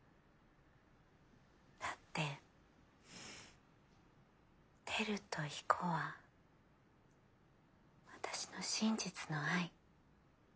だって輝と彦は私の真実の愛。